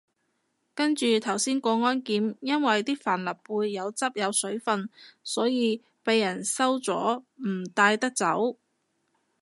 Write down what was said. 跟住頭先過安檢，因為啲帆立貝有汁有水份，所以被人收咗唔帶得走